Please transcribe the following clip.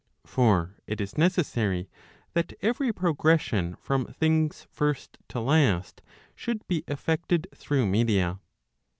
For it is necessary that every progression from things first to last should be effected through media.